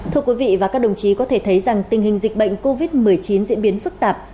thưa quý vị và các đồng chí có thể thấy rằng tình hình dịch bệnh covid một mươi chín diễn biến phức tạp